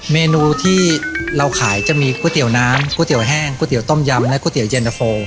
เมนูที่เราขายจะมีกล้วยเตี๋ยวน้ำกล้วยเตี๋ยวแห้งกล้วยเตี๋ยวต้มยำและกล้วยเตี๋ยวเย็นเตอร์โฟล์